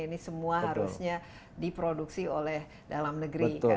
ini semua harusnya diproduksi oleh dalam negeri